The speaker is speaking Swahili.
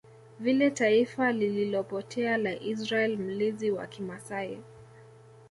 vile taifa lililopotea la Israel Mlinzi wa kimasai